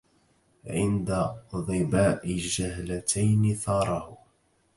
عند ظباء الجهلتين ثاره